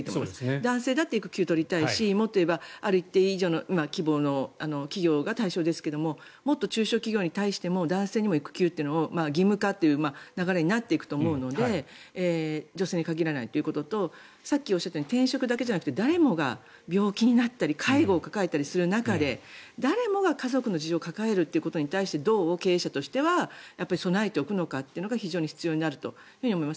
男性だって育休を取りたいしもっと言えばある一定以上の規模の企業が対象ですけどももっと中小企業に対しても男性にも育休というのを義務化という流れになっていくと思うので女性に限らないということとさっきおっしゃったように転職だけじゃなくて誰もが病気になったり介護を抱えたりする中で誰もが家族の事情を抱えるということに対してどう経営者として備えておくのかというのが非常に必要になると思います。